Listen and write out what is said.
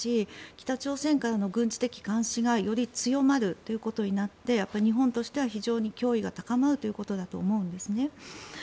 北朝鮮からの軍事的監視がより強まるということになって日本としては非常に脅威が高まるということだと思うんです。